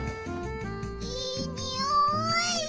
いいにおい！